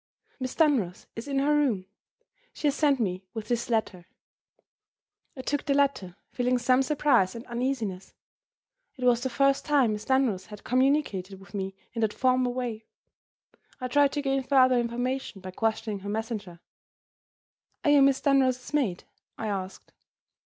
"Miss Dunross is in her room. She has sent me with this letter." I took the letter, feeling some surprise and uneasiness. It was the first time Miss Dunross had communicated with me in that formal way. I tried to gain further information by questioning her messenger. "Are you Miss Dunross's maid?" I asked.